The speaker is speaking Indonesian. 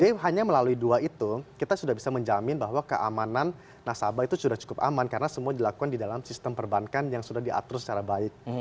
jadi hanya melalui dua itu kita sudah bisa menjamin bahwa keamanan nasabah itu sudah cukup aman karena semua dilakukan di dalam sistem perbankan yang sudah diatur secara baik